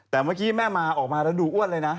แต่เมื่อกี้แม่มาออกมาแล้วดูอ้วนเลยนะ